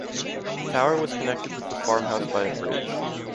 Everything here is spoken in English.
The tower was connected with the farmhouse by a bridge.